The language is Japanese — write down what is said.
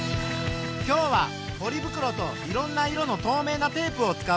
今日はポリ袋といろんな色の透明なテープを使うぞ。